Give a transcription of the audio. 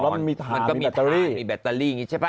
มันก็มีทางมีแบตเตอรี่